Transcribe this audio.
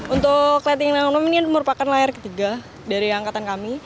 untuk lighting anom ini merupakan layar ketiga dari angkatan kami